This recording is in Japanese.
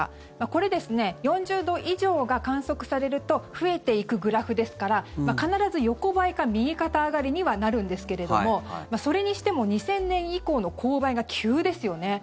これ、４０度以上が観測されると増えていくグラフですから必ず横ばいか右肩上がりにはなるんですけれどもそれにしても２０００年以降の勾配が急ですよね。